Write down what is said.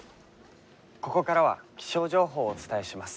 「ここからは気象情報をお伝えします」。